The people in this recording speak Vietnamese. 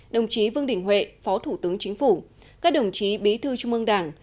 đồng chí vương đình huệ phó thủ tướng chính phủ các đồng chí bí thư trung ương đảng